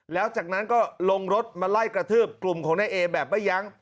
แล้วจากนั้นก็ลงรถมาไล่กระทืบกลุ่มของนายเอแบบไม่ยั้ง